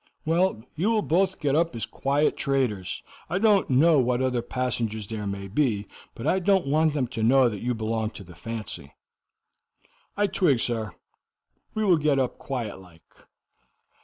"Well, you will both get up as quiet traders. I don't know what other passengers there may be, but I don't want them to know that you belong to the fancy." "I twig, sir. We will get up quiet like."